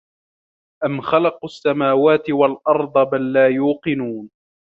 أَم خَلَقُوا السَّماواتِ وَالأَرضَ بَل لا يوقِنونَ